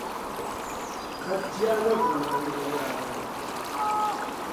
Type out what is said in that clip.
قەت جیا نەبوو نانی لە یاران